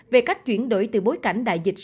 về cách chuyển đổi từ bối cảnh đại dịch